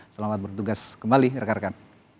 selamat bertugas kembali rekan rekan